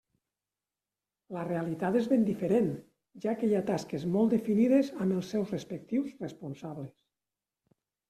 La realitat és ben diferent, ja que hi ha tasques molt definides amb els seus respectius responsables.